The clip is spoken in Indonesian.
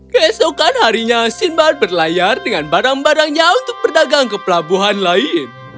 keesokan harinya sinbad berlayar dengan barang barangnya untuk berdagang ke pelabuhan lain